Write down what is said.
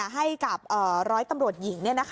ให้กับร้อยตำรวจหญิง